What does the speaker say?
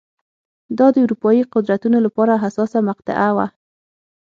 دا د اروپايي قدرتونو لپاره حساسه مقطعه وه.